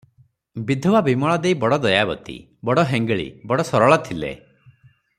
ବିଧବା ବିମଳା ଦେଇ ବଡ଼ ଦୟାବତୀ, ବଡ଼ ହେଙ୍ଗ୍ଳୀ, ବଡ଼ ସରଳା ଥିଲେ ।